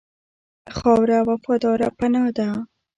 خاوره وفاداره پناه ده.